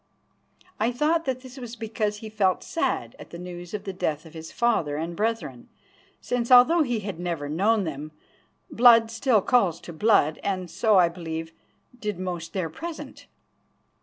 I thought that this was because he felt sad at the news of the death of his father and brethren, since, although he had never known them, blood still calls to blood; and so, I believe, did most there present.